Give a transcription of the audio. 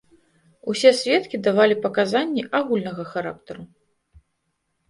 Усе сведкі давалі паказанні агульнага характару.